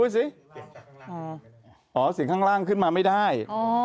สิอ๋อเสียงข้างล่างขึ้นมาไม่ได้